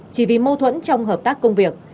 chỉ vì mâu thuẫn trong hợp tác công việc